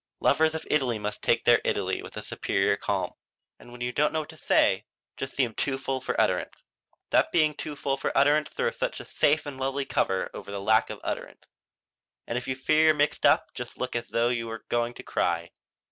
Lovers of Italy must take their Italy with a superior calm. And when you don't know what to say just seem too full for utterance. That being too full for utterance throws such a safe and lovely cover over the lack of utterance. And if you fear you're mixed up just look as though you were going to cry.